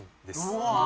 うわ。